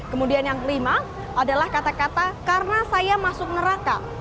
kemudian yang kelima adalah kata kata karena saya masuk neraka